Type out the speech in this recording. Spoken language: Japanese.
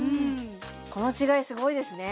この違いすごいですね